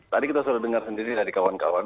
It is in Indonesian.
tadi kita sudah dengar sendiri dari kawan kawan